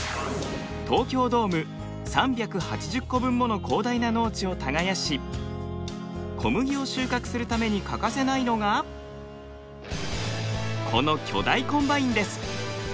東京ドーム３８０個分もの広大な農地を耕し小麦を収穫するために欠かせないのがこの巨大コンバインです。